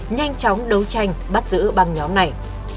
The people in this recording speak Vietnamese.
nhanh chóng đấu tranh bắt giữ băng nhóm này